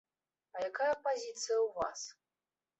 А якая пазіцыя ў вас?